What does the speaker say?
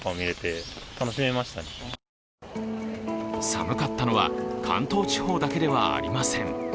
寒かったのは関東地方だけではありません。